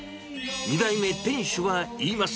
２代目店主は言います。